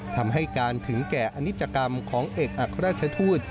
ทำให้การถึงแก่อนิจกรรมของเอกอัครราชทูต